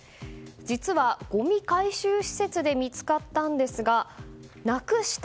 実は、ごみ回収施設で見つかったんですがなくした